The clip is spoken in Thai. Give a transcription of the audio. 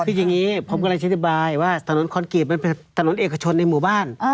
คืออย่างนี้ผมกำลังอธิบายว่าถนนคอนกรีตมันเป็นถนนเอกชนในหมู่บ้าน